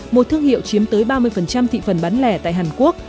một thương hiệu chiếm tới ba mươi thị phần bán lẻ tại hàn quốc